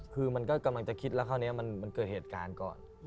คือมันก็กำลังจะคิดแล้วคราวนี้มันเกิดเหตุการณ์ก่อน